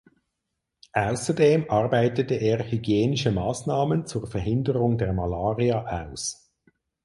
Außerdem arbeitete er hygienische Maßnahmen zur Verhinderung der Malaria aus.